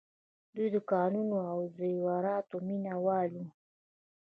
دوی د ګاڼو او زیوراتو مینه وال وو